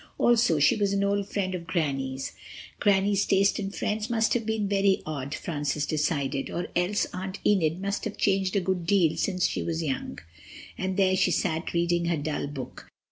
Also she was an old friend of Granny's. Granny's taste in friends must have been very odd, Francis decided, or else Aunt Enid must have changed a good deal since she was young. And there she sat reading her dull book.